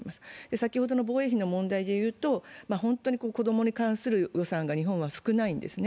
先ほどの防衛費の問題で言うと本当に子供に関する予算が日本は少ないんです。